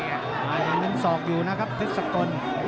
อันนั้นสอกอยู่นะครับพฤษฎน